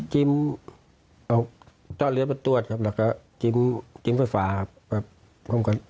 จิ้มเอาเจาะเลือดไปตรวจครับแล้วก็จิ้มไฟฟ้าครับพร้อมกัน